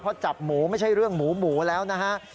เพราะจับหมูไม่ใช่เรื่องหมูหมูแล้วนะฮะ